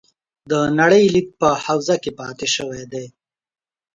د نړۍ لید په حوزه کې پاتې شوي دي.